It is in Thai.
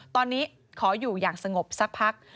ตอนนี้ขออยู่อย่างสงบสักพัก